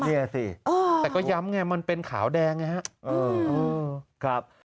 นี่สิแต่ก็ย้ำไงมันเป็นขาวแดงนะฮะเออครับโอ้โฮ